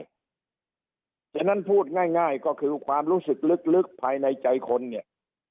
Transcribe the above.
เพราะฉะนั้นพูดง่ายก็คือความรู้สึกลึกภายในใจคนเนี่ย